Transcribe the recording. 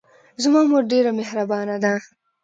زما مور ډېره محربانه ده